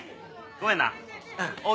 ごめんな。